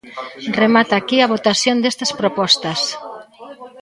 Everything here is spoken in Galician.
Remata aquí a votación destas propostas.